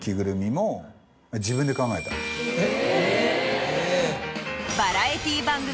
えっ？